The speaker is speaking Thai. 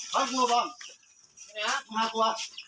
เป็นไงครับ